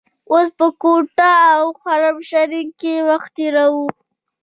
اوس په کوټه او حرم شریف کې وخت تیروو.